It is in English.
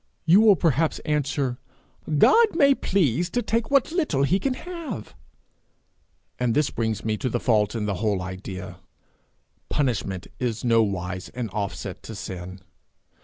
You will perhaps answer, 'God may please to take what little he can have;' and this brings me to the fault in the whole idea. Punishment is nowise an offset to sin.